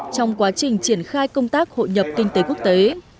trong quá trình triển khai công tác hội nhập kinh tế quốc tế